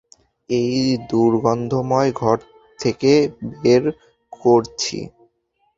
এই দুর্গন্ধময় ঘর থেকে বের করছি।